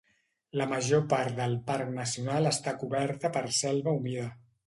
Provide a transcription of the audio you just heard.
La major part del parc nacional està coberta per selva humida.